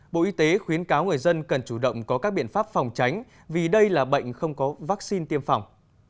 bộ y tế khuyến cáo người dân cần chủ động có các biện pháp phòng tránh vì đây là bệnh không có vaccine tiêm phòng